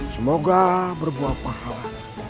semoga berbuah pahala